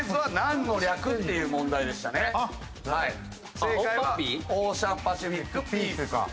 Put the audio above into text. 正解はオーシャンパシフィックピース。